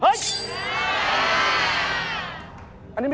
เหปาตะเกะเหปาตะเกะ